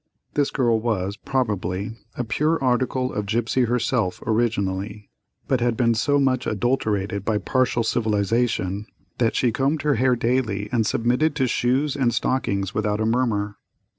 This girl was, probably, a pure article of gipsy herself originally, but had been so much adulterated by partial civilization that she combed her hair daily and submitted to shoes and stockings without a murmur.